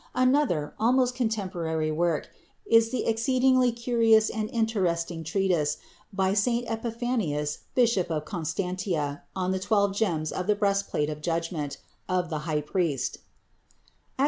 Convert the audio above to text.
Another, almost contemporary work, is the exceedingly curious and interesting treatise by St. Epiphanius, Bishop of Constantia, on the twelve gems on the "Breastplate of Judgment" of the high priest (Ex.